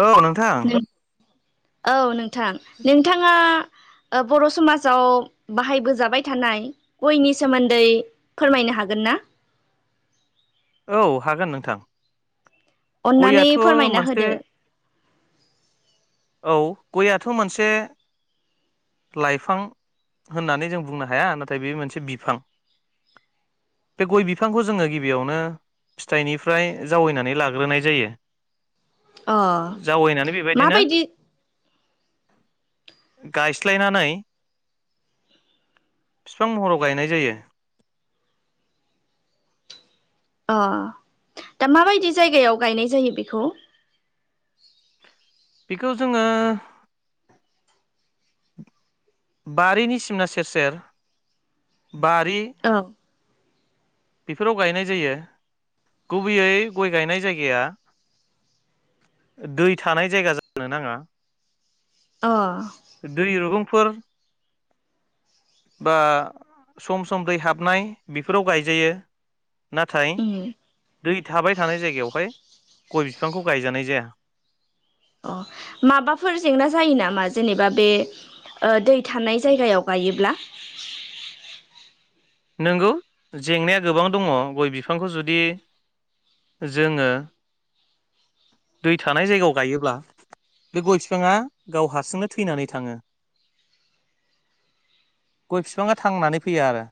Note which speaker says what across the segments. Speaker 1: औ नोंथां
Speaker 2: औ नोंथां नोंथाङा बर' समाजाव बाहायबोजाबाय थानाय गयनि सोमोन्दै फोरमायनो हागोन ना?
Speaker 1: औ हागोन नोंथां।
Speaker 2: अन्नानै
Speaker 1: गयाथ'
Speaker 2: फोरमायना
Speaker 1: मोनसे
Speaker 2: होदो।
Speaker 1: औ गयआथ मोनसे लाइफां होननानै जों बुंनो हाया नाथाय बे मोनसे बिफां बे गय बिफांखौ जोङो गिबियावनो फिथाइनिफ्राय जावैनानै लाग्रोनाय जायो।
Speaker 2: अ
Speaker 1: जावैनानै बेबायदिनो
Speaker 2: माबायदि
Speaker 1: गायस्लायनानै फिफां महराव गायनाय जायो।
Speaker 2: अ दा माबायदि जायगायाव गायनाय जायो बेखौ?
Speaker 1: बेखौ जोङो बारिनि सिमना सेर सेर बारि
Speaker 2: औ
Speaker 1: बेफोराव गायनाय जायो गुबैयै गय गायनाय जायगाया दै थानाय जायगा जानो नाङा
Speaker 2: अ
Speaker 1: दै रुगुंफोर बा सम सम दैै हाबनाय बेफोराव गायजायो नाथाय
Speaker 2: उम
Speaker 1: दै थाबाय थानाय जायगायावहाय गय बिफांखौ गायजानाय जाया
Speaker 2: अ माबाफोर जेंना जायो नामा जेनेबा ओ बे दै थानाय जायगायाव गायोब्ला
Speaker 1: नंगौ जेंनाया गोबां दङ गय बिफांखौ जुदि जोङो दै थानाय जायगायाव गायोब्ला बे गय बिफाङा गाव हारसिंनो थैनानै थाङो गय बिफाङा थांनानै फैया आरो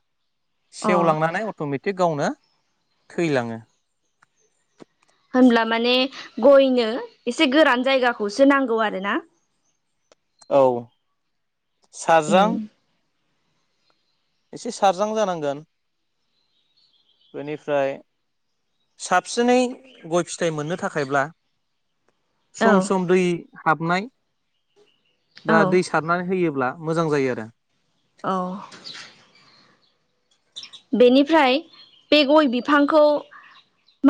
Speaker 2: अ
Speaker 1: सेवलांनानै अट मेटिक गावनो थैलाङो
Speaker 2: होनब्ला माने गयनो एसे गोरान जायगाखौसो नांगौ आरो ना
Speaker 1: औ साज्रां
Speaker 2: उम
Speaker 1: एसे सारजां जानांगोन बेनिफ्राय साबसिनै गय फिथाइ मोननो थाखायब्ला
Speaker 2: औ
Speaker 1: सम सम दै हाबनाय
Speaker 2: औ
Speaker 1: बा दै सारनानै होयोब्ला मोजां जायो आरो
Speaker 2: औ बेनिफ्राय बे गय बिफांखौ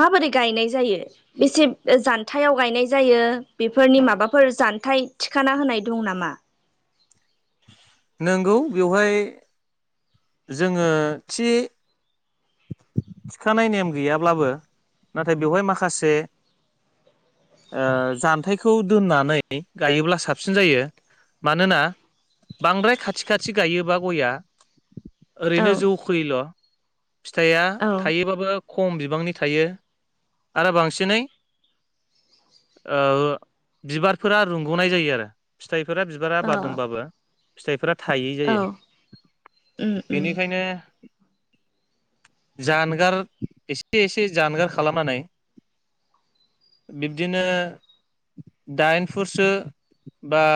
Speaker 2: माबोरै गायनाय जायो बेसे जान्थायाव गायनाय जायो बेफोरनि माबाफोर जान्थाइ थिखाना होनाय दं नामा
Speaker 1: नंगौ बेवहाय जोङो थि थिखानाय नेम गैयाब्लाबो नाथाय बेवहाय माखासे ओ जान्थायखौ दोननानै गायोब्ला साबसिन जायो मानोना बांद्राय खाथि खाथि गायोबा गइआ
Speaker 2: औ
Speaker 1: ओरैनो जौ खोयैल फिथाइया
Speaker 2: औ
Speaker 1: थायोबाबो खम बिबांनि थायो आरो बांसिनै ओ बिबारफोरा रुंगनाय जायो आरो फिथाइफोरा बिबारा
Speaker 2: औ
Speaker 1: बारदोंबाबो फिथाइफोरा थायै जायो
Speaker 2: उम उम
Speaker 1: बेनिखायनो जानगार एसे एसे जानगार खालामनानै बिब्दिनो दाइन फुटसो बा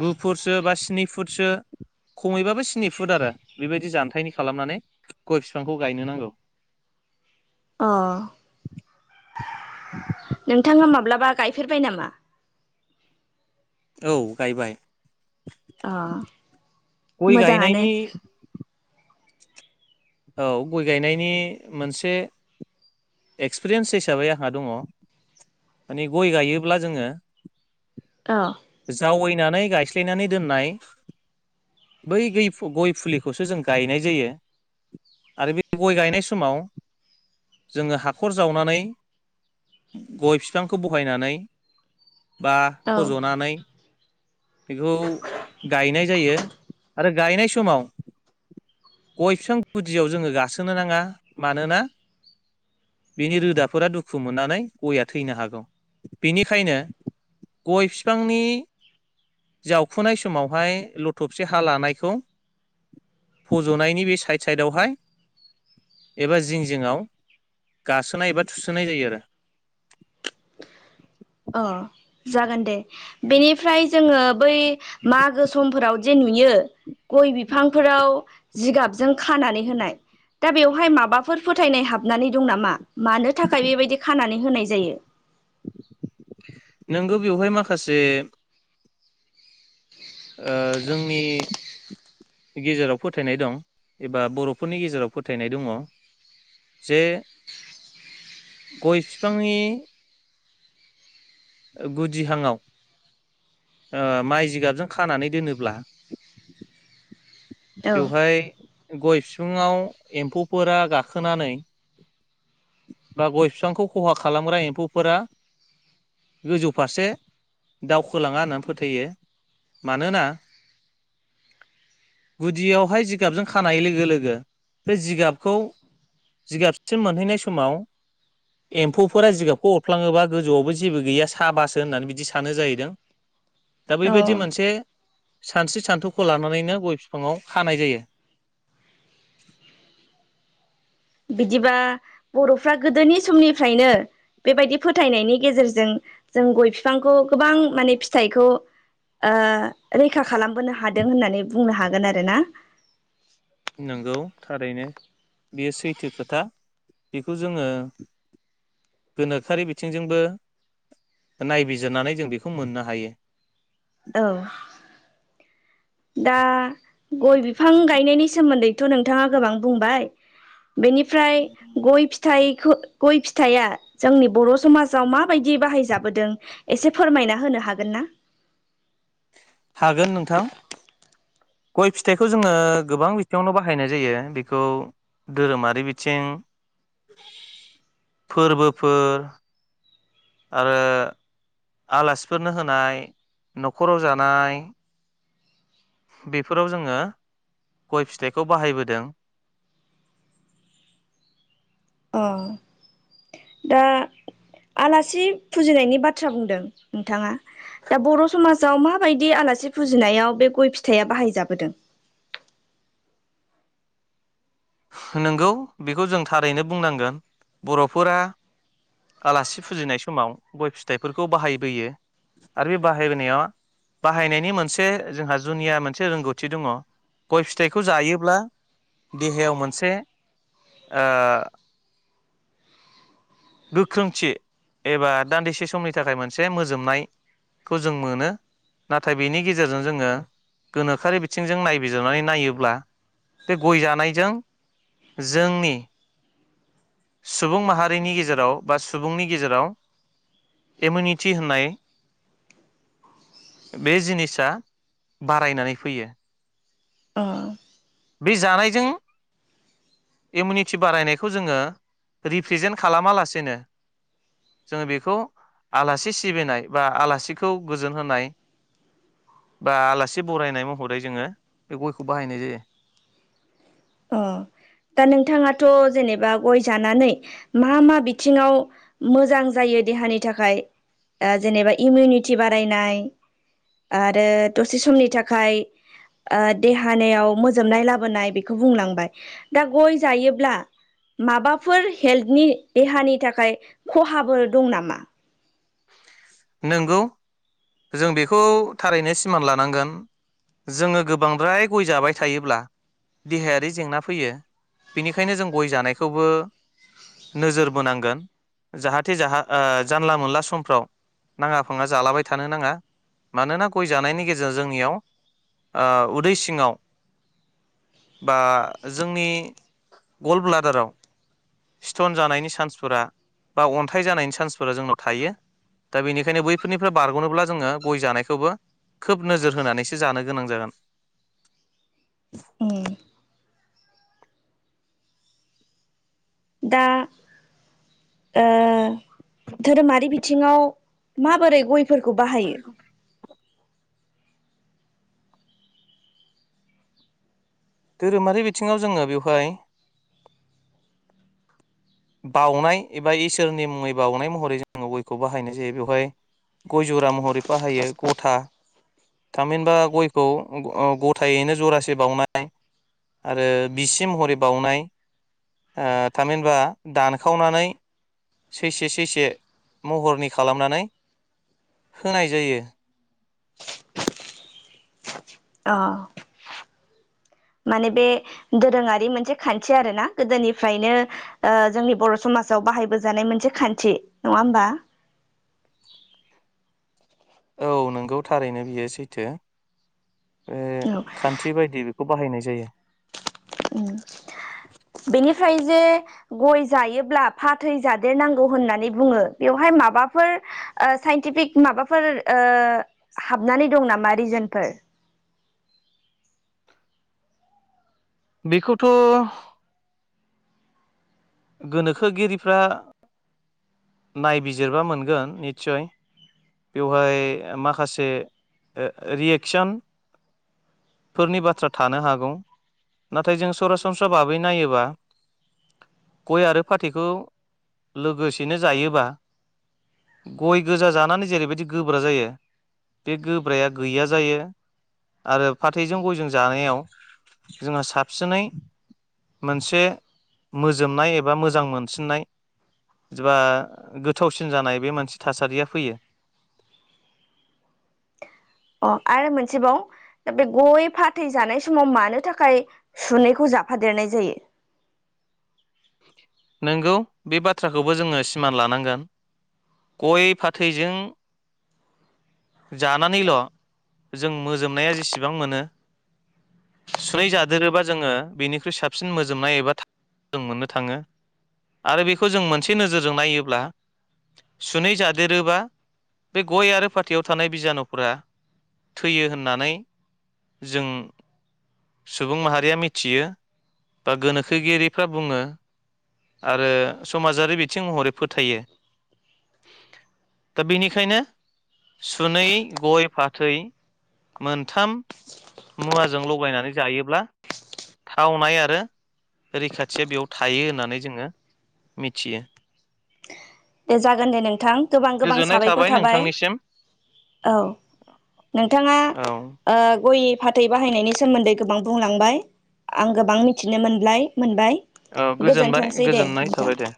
Speaker 1: गुफुटसो बा स्नि फुटसो खमैबाबो स्नि फुट आरो बेबायदि जानथायनि खालामनानै गय फिफांखौ गायनो नांगौ
Speaker 2: अ नोंथाङा माब्लाबा गायफेरबाय नामा
Speaker 1: औ गायबाय
Speaker 2: अ
Speaker 1: गय
Speaker 2: मोजाङानो
Speaker 1: गायनायनि औ गय गायनायनि मोनसे एक्सपिरियेन्स हिसाबै आंहा दङ माने गय गायोब्ला जोङो
Speaker 2: अ
Speaker 1: जावैनानै गायस्लायनानै दोननाय बै गय फुलिखौसो जों गायनाय जायो आरो बे गय गायनाय समाव जोङो हाखर जावनानै गय फिफांखौ बहायनानै बा
Speaker 2: औ
Speaker 1: फजनानै बेखौ गायनाय जायो आरो गायनाय समाव गय फिफां गुदियाव जोङो गासोनो नाङा मानोना बिनि रोदाफोरा दुखु मोननानै गया थैनो हागौ बेनिखायनो गय बिफांनि जावखुनाय समावहाय लथबसे हा लानायखौ फजनायनि बे साइड साइडआवहाय एबा जिं जिङआव गासोनाय एबा थुसोनाय जायो आरो
Speaker 2: अ जागोन दे बेनिफ्राय जोङो बै मागो समफोराव जे नुयो गय बिफांफोराव जिगाबजों खानानै होनाय दा बेवहाय माबाफोर फोथायनाय हाबनानै दं नामा मानो थाखाय बेबायदि खानानै होनाय जायो
Speaker 1: नोंगौ बेवहाय माखासे ओ जोंनि गेजेराव फोथायनाय दं एबा बरफोरनि गेजेराव फोथायनाय दङ जे गय फिफांनि गुदिहांआव ओ माइ जिगाबजों खानानै दोनोब्ला
Speaker 2: औ
Speaker 1: बेवहाय गय फिफांङाव एम्फौफोरा गाखोनानै बा गय फिफांखौ खहा खालामग्रा एम्फौफोरा गोजौ फारसे दावखोलाङा होननानै फोथाययो मानोना गुदियावहाय जिगाबजों खानाय लोगो लोगो बे जिगाबखौ जिगाबसिम मोनहैनाय समाव एम्फौफोरा जिगाबखौ अरफ्लाङोबा गोजौआवबो जेबो गैया साबासो होननानै बिदि सानो जाहैदों दा
Speaker 2: अ
Speaker 1: बैबायदि मोनसे सानस्रि सान्थौखौ लानानैनो गय फिफांङाव खानाय जायो
Speaker 2: बिदिबा बरफ्रा गोदोनि समनिफ्रायनो बेबायदि फोथायनायनि गेजेरजों जों गय फिफांखौ गोबां माने फिथाइखौ ओ रैखा खालामबोनो हादों होननानै बुंनो हागोन आरो [unintelligible] ना
Speaker 1: नांगौ थारैनो बेयो सैथो खोथा बेखौ जोङो गोनोखोआरि बिथिंजोंबो नायबिजिरनानै जों बेखौ मोननो हायो।
Speaker 2: औ दा गय बिफां गायनायनि सोमोन्दैथ नोंथाङा गोबां बुंबाय बेनिफ्राय गय फिथाइ खौ गय फिथाइया जोंनि बर समाजाव माबायदि बाहायजाबोदों एसे फोरमायना होनो हागोन ना?
Speaker 1: हागोन नोंथां गय फिथाइखौ जोङो गोबां बिथिङावनो बाहायनाय जायो बेखौ धोरोमारि बिथिं फोरबोफोर ओ आलासिफोरनो होनाय नखराव जानाय बेफोराव जोङो गय फिथाइखौ बाहायबोदों
Speaker 2: अ दा आलासि फुजिनायनि बाथ्रा बुंदों नोंथाङा दा बर समाजाव माबायदि आलासि फुजिनायाव बे गय फिथाइया बाहायजाबोदों
Speaker 1: नोंगौ बेखौ जों थारैनो बुंनांगोन बरफोरा आलासि फुजिनाय समाव गय फिथाइफोरखौ बाहायबोयो आरो बे बाहायबोनायाव बाहायनायनि मोनसे जोंहा जुनिया मोनसे रोंगौथि दङ गय फिथाइखौ जायोब्ला देहायाव मोन से ओ गोख्रोंथि एबा दान्दिसे समनि थाखाय मोनसे मोजोमनायखौ जों मोनो नाथाय बेनि गेजेरजों जोङो गोनोखोआरि बिथिंजों नायबिजिरनानै नायोब्ला बे गय जानायजों जोंनि सुबुं माहारिनि गेजेराव बा सुबुंनि गेजेराव इमिउनिटि होननाय बे जिनिसा बारायनानै फैयो
Speaker 2: अ
Speaker 1: बे जानायजों इमिउनिटि बारायनायखौ जोङो रिप्रेजेन्ट खालामा लासेनो जोङो बेखौ आलासि सिबिनाय बा आलासिखौ गोजोन होनाय बा आलासि बरायनाय महरै जोङो बे गयखौ बाहायनाय जायो।
Speaker 2: अ दा नोंथाङाथ जेनेबा गय जानानै मा मा बिथिङाव मोजां जायो देहानि थाखाय ओ जेनेबा इमिउनिटि बारायनाय आरो दसे समनि थाखाय ओ देहानियाव मोजोमनाय लाबोनाय बे बेखौ बुंलांबाय दा गय जायोब्ला माबाफोर हेल्थनि देहानि थाखाय खहाबो दं नामा?
Speaker 1: नोंगौ जों बेखौ थारैनो सिमान लानांगोन जोङो गोबांद्राय गय जाबाय थायोब्ला देहायारि जेंना फैयो बेनिखायनो जों गय जानायखौबो नोजोर बोनांगोन जाहाथे जाहा ओ जानला मानला समफ्राव नाङा फाङा जालाबाय थानो नाङा मानोना गय जानायनि गेजेरजों जोंनियाव ओ उदै सिङाव बा जोंनि गल ब्लादाराव स्टन जानायनि चान्सफोरा बा अन्थाइ जानायनि चान्सफोरा जोंनाव थायो दा बेनिखायनो बैफोरनिफ्राय बारगनोब्ला जोङो गय जानायखौबो खोब नोजोर होनानैसो जानो गोनां जागोन।
Speaker 2: उम दा ओ धोरोमारि बिथिङाव माबोरै गय फोरखौ बाहायो
Speaker 1: धोरोमारि बिथिङाव जोङो बेवहाय बाउनाय एबा इसोरनि मुङै बाउनाय महरै जोङो गयखौ बाहायनाय जायो बेवहाय गय जरा महरै बाहायो गथा थामहिनबा गयखौ गथायैनो जरासे बावउनाय आरो बिसि महरै बावउनाय ओ थामहिनबा दानखावनानै सैसे सैसे महरनि खालामनानै होनाय जायो।
Speaker 2: औ माने बे दोरोङारि मोनसे खान्थि आरो ना गोदोनिफ्रायनो ओ जोंनि बर समाजाव बाहायबोजानाय मोनसे खान्थि नङा होमबा?
Speaker 1: औ नोंगौ थारैनो बियो सैथो ओ खान्थि बायदि बेखौ बाहायनाय जायो
Speaker 2: बेनि फ्राय जे गय जायोब्ला फाथै जादेरनांगौ होननानै बुङो बेवहाय माबाफोर साइनटिफिक माबाफोर ओ हाबनानै दं नामा रिजोनफोर
Speaker 1: बेखौथ गोनोखोगिरिफ्रा नायबिजिरबा मोनगोन निसय बेवहाय माखासे रियेकसनफोरनि बाथ्रा थानो हागौ नाथाय जों सरासनस्रा बाबै नायोबा गय आरो फाथैखौ लोगोसेनो जायोबा गय गोजा जानानै जेरैबायदि गोब्रा जायो बे गोब्राया गैया जायो आरो फाथैजों गयजों जानायाव जोंहा साबसिनै मोनसे मोज जोबनाय एबा मोजां मोनसिननाय एबा गोथावसिन जानाय बे मोनसे थासारिया फैयो
Speaker 2: अ आरो मोनसेबाव दा बे गय फाथै जानाय समाव मानो थाखाय सुनैखौ जाफादेरनाय जायो।
Speaker 1: नोंगौ बे बाथ्राखौबो जोङो सिमान लानांगोन गय फाथैजों जानानैल जों मोजोमनाया जेसेबां मोनो सुनै जादेरोबा जोङो बेनिख्रुइ साबसिन मोजोमनाय एबा था जों मोनो थाङो आरो बेखौ जों मोनसे नोजोरजों नायोब्ला सुनै जादेरोबा बे गय आरो फाथैयाव थानाय बिजानुफोरा थैयो होननानै जों सुबुं माहारिया मिथियो बा गोनोखोगिरिफ्रा बुङो आरो समाजारि बिथिं महरै फोथायो दा बेनिखायनो सुनै गय फाथै मोनथाम मुवाजों लगायनानै जायोब्ला थावनाय आरो रैखाथिया बेयाव थायो होननानै जोङो मिथियो
Speaker 2: दे जागोन दे नोंथां गोबां गोबां
Speaker 1: गोजोननाय
Speaker 2: साबायखर थाबाय
Speaker 1: नोंथांनिसिम
Speaker 2: औ नोंथाङा
Speaker 1: औ
Speaker 2: ओ गय फाथै बाहायनायनि सोमोन्दै गोबां बुंलांबाय आं गोबां मिथिनो मोनब्लाय मोनबाय
Speaker 1: औ गोजोनबाय
Speaker 2: गोजोनथोंसै दे
Speaker 1: गोजोननाय
Speaker 2: नोंथां।
Speaker 1: थाबाय दे